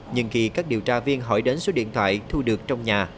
nhưng khi các điều tra viên hỏi đến số điện thoại thu được trong nhà